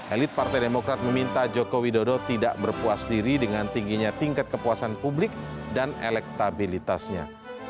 elit partai demokrat meminta joko widodo tidak berpuas diri dengan tingginya tingkat kepuasan publik dan elektabilitasnya